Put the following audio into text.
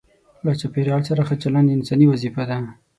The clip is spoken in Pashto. له چاپیریال سره ښه چلند انساني وظیفه ده.